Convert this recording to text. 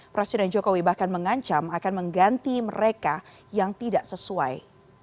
presiden jokowi bahkan mengancam akan mengganti mereka yang tidak sesuai